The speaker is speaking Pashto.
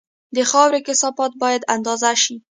د خاورې کثافت باید اندازه شي